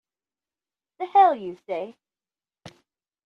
The hell you say!